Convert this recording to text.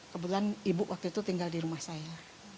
kebetulan ibu waktu itu tinggal di rumah saya